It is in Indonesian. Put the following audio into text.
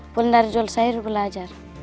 pun dari jual sayur belajar